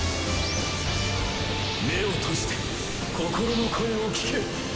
目を閉じて心の声を聞け！